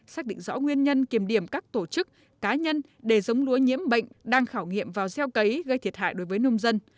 xác định rõ nguyên nhân kiểm điểm các tổ chức cá nhân để giống lúa nhiễm bệnh đang khảo nghiệm vào gieo cấy gây thiệt hại đối với nông dân